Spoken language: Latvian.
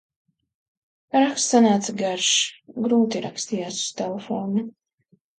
Raksts sanāca garš, grūti rakstījās uz telefona.